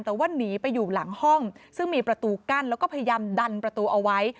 แต่ว่าหนีไปอยู่หลังห้องซึ่งมีประตูกั้นแล้วก็พยายามดันประตูเอาไว้